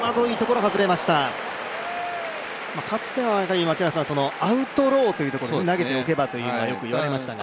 かつてはアウトローというところに投げておけばということがよくいわれていましたが。